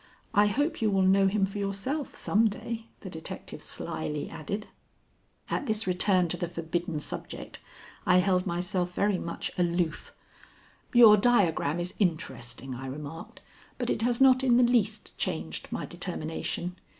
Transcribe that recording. I hope you will know him for yourself some day," the detective slyly added. At this return to the forbidden subject, I held myself very much aloof. "Your diagram is interesting," I remarked, "but it has not in the least changed my determination.